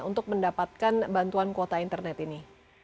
untuk mendapatkan bantuan kuota internet ini